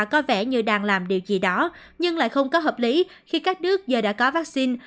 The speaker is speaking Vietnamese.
có vẻ như đang làm điều gì đó nhưng lại không có hợp lý khi các nước giờ đã có vaccine